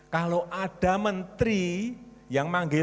kalau ada menteri yang manggil